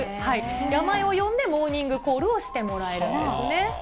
名前を呼んでモーニングコールをしてもらえるんですね。